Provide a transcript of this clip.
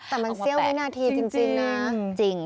แต่มันเสี่ยววินาทีจริงนะจริงค่ะเอามาแปะจริง